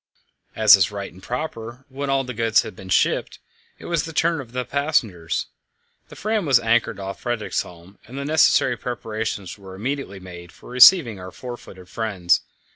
As is right and proper, when all the goods had been shipped, it was the turn of the passengers. The Fram was anchored off Fredriksholm, and the necessary preparations were immediately made for receiving our four footed friends.